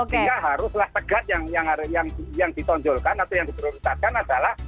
jadi haruslah tegak yang ditonjolkan atau yang diprioritaskan adalah